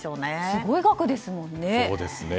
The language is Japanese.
すごい額ですもんね。